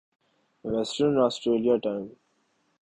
western Australia time